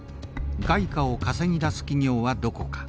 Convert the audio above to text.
外貨を稼ぎ出す企業はどこか。